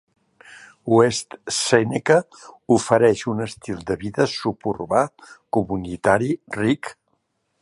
West Seneca ofereix un estil de vida suburbà comunitari ric.